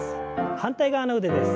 反対側の腕です。